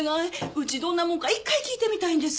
うちどんなもんか１回聞いてみたいんです。